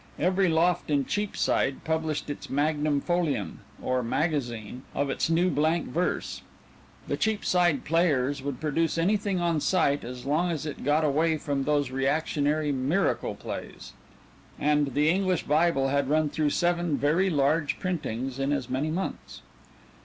Every loft in Cheapside published its Magnum Folium (or magazine) of its new blank verse; the Cheapside Players would produce anything on sight as long as it "got away from those reactionary miracle plays," and the English Bible had run through seven "very large" printings in as many months.